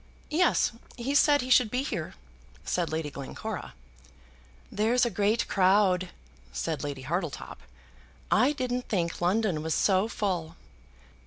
"Yes; he said he should be here," said Lady Glencora. "There's a great crowd," said Lady Hartletop. "I didn't think London was so full."